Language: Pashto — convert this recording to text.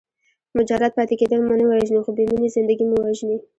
مجرد پاتې کېدل مو نه وژني خو بې مینې زندګي مو وژني.